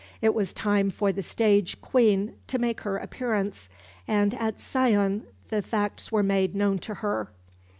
It was time for the stage Queen to make her appearance, and at Sion the facts were made known to her.